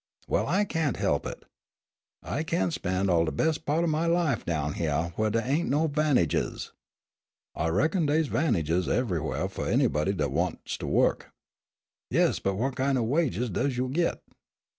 "Well, I can't he'p it. I can't spen' all de bes' pa't o' my life down hyeah where dey ain' no 'vantages." "I reckon dey's 'vantages everywhah fu' anybody dat wants to wu'k." "Yes, but what kin' o' wages does yo' git?